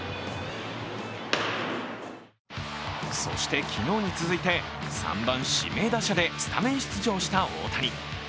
そして、昨日に続いて３番・指名打者でスタメン出場した大谷。